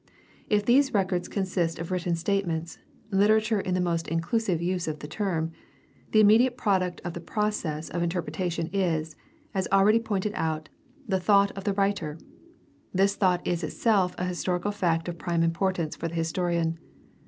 If these records con sist of written statements — ^literature in the most inclusive use of the term — the immediate product of the process of interpretation is, as already pointed out, the thought of the writer. This thought is itself a historic fact of prime impor tance for the historian.